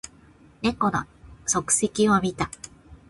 猫の足跡を見た